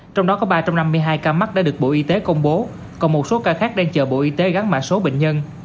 trong đó có ba trăm năm mươi hai ca mắc đã được bộ y tế công bố còn một số ca khác đang chờ bộ y tế gắn mã số bệnh nhân